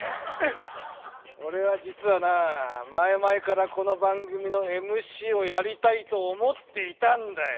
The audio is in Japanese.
俺は実はな、前々からこの番組のＭＣをやりたいと思っていたんだよ。